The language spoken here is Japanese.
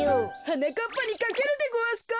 はなかっぱにかけるでごわすか？